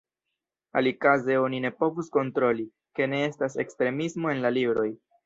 Alikaze oni ne povus kontroli, ke ne estas ekstremismo en la libroj.